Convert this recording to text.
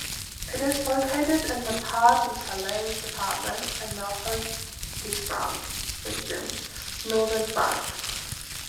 It is located in the Pas-de-Calais department, in the Hauts-de-France region, northern France.